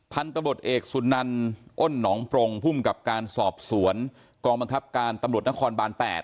พันธุ์ตำรวจเอกสุนันอ้นหนองปรงภูมิกับการสอบสวนกองบังคับการตำรวจนครบาน๘